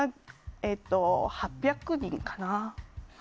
８００人かな。